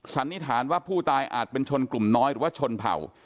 สันนิษฐานว่าผู้ตายอาจเป็นชนกลุ่มน้อยหรือว่าชนเผ่า